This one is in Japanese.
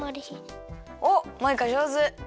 おっマイカじょうず！